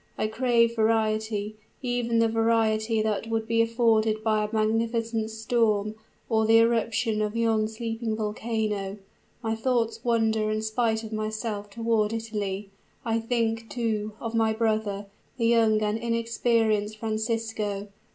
I crave variety, even the variety that would be afforded by a magnificent storm, or the eruption of yon sleeping volcano. My thoughts wander in spite of myself toward Italy; I think, too, of my brother the young and inexperienced Francisco!